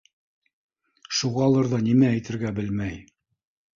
Шуғалыр ҙа нимә әйтергә белмәй.